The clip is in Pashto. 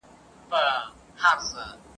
نه څوک یو قدم ځي شاته نه څوک یو قدم تمیږي ..